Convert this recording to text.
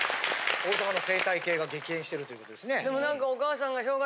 大阪の生態系が激変してるということですね。